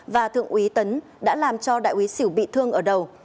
và thượng úy tấn đã làm cho đại úy xỉu bị thương ở đầu